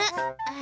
あ！